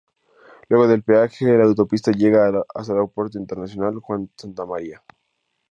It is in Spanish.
Luego del peaje, la autopista llega hasta el Aeropuerto Internacional Juan Santamaría.